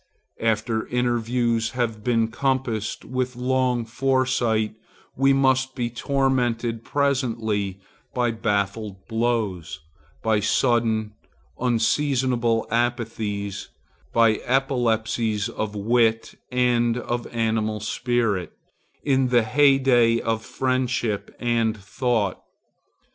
After interviews have been compassed with long foresight we must be tormented presently by baffled blows, by sudden, unseasonable apathies, by epilepsies of wit and of animal spirits, in the heyday of friendship and thought.